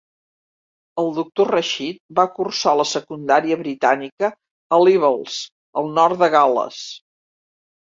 El doctor Rashid va cursar la secundària britànica "A-Levels" al nord de Gal·les.